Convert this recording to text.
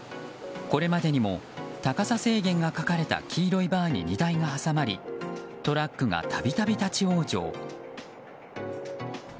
これまでにも高さ制限が書かれた黄色いバーに荷台が挟まりトラックが度々立ち往生。